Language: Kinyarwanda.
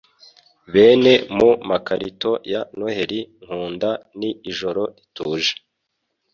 Bane mu makarito ya Noheri nkunda ni Ijoro rituje